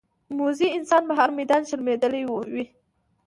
موزي انسان په هر میدان شرمېدلی وي.